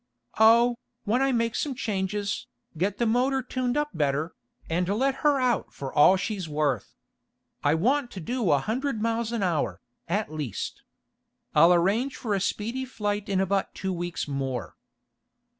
"Oh, when I make some changes, get the motor tuned up better, and let her out for all she's worth. I want to do a hundred miles an hour, at least. I'll arrange for a speedy flight in about two weeks more."